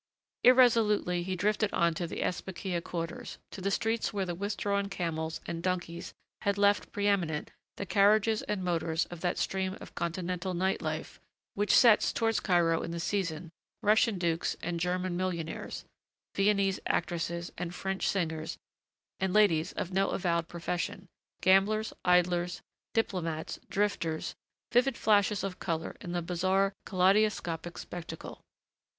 Irresolutely he drifted on to the Esbekeyih quarters, to the streets where the withdrawn camels and donkeys had left pre eminent the carriages and motors of that stream of Continental night life which sets towards Cairo in the season, Russian dukes and German millionaires, Viennese actresses and French singers and ladies of no avowed profession, gamblers, idlers, diplomats, drifters, vivid flashes of color in the bizarre, kaleidoscopic spectacle.